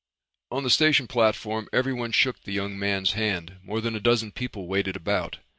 On the station platform everyone shook the young man's hand. More than a dozen people waited about.